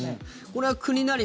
これは国なり